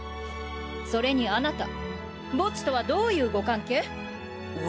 それにあなたボッジとはどういうご関係？